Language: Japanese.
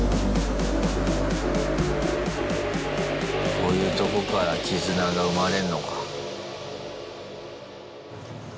こういうとこから絆が生まれんのか。